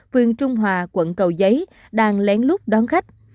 phường trung hòa quận cầu giấy đang lén lút đón khách